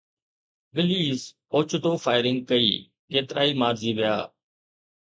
وليس اوچتو فائرنگ ڪئي، ڪيترائي مارجي ويا